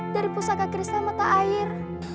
dari pusaka kristal mata air